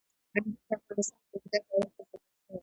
انګور د افغانستان په اوږده تاریخ کې ذکر شوي.